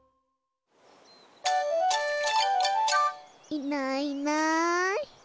いないいない。